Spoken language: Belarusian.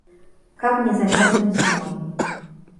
Каб не замёрзнуць зімой.